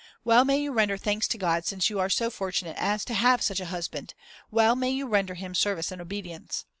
Well may you render thanks to God since you are so fortunate as to have such a husband, well may you render him service and obedience.